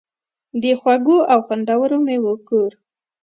د خوږو او خوندورو میوو کور.